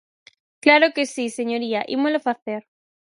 Claro que si, señoría, ímolo facer.